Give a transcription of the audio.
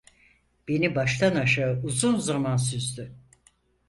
Beni baştan aşağı uzun zaman süzdü.